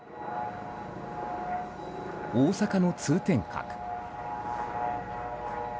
大阪の通天閣。